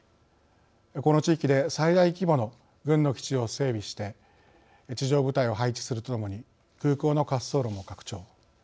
この地域で最大規模の軍の基地を整備して地上部隊を配置するとともに空港の滑走路も拡張。